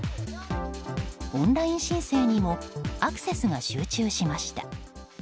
オンライン申請にもアクセスが集中しました。